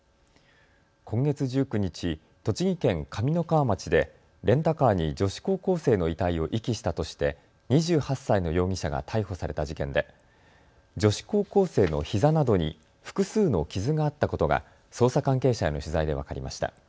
今月１９日、栃木県上三川町でレンタカーに女子高校生の遺体を遺棄したとして２８歳の容疑者が逮捕された事件で女子高校生のひざなどに複数の傷があったことが捜査関係者への取材で分かりました。